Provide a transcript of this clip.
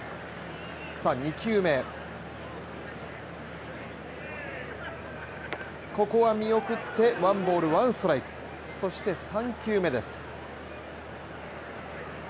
２球目、ここは見送ってワンボールワンストライク、そして３球目です。